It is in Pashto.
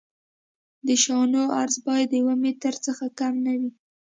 د شانو عرض باید د یو متر څخه کم نه وي